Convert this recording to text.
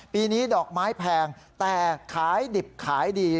ปีนี้ดอกไม้แพงแต่ขายดิบขายดี